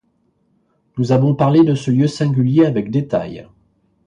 Nous avons parlé de ce lieu singulier avec détail.